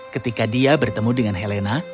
ketika dia bertemu dengan helena